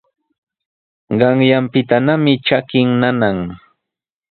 Qanyaanpitanami trakin nana.